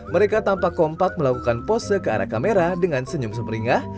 mereka tampak kompak melakukan pose ke arah kamera dengan senyum semeringah